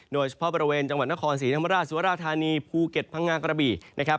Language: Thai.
โดยเฉพาะบริเวณจังหวัดนครศรีธรรมราชสุราธานีภูเก็ตพังงากระบี่นะครับ